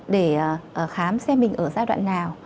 để khám xem mình ở giai đoạn nào